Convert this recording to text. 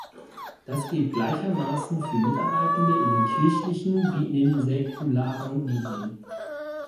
Das gilt gleichermaßen für Mitarbeitende in den kirchlichen wie in den säkularen Medien.